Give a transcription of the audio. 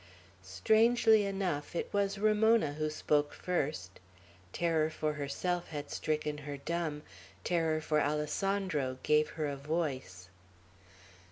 Strangely enough, it was Ramona who spoke first. Terror for herself had stricken her dumb; terror for Alessandro gave her a voice.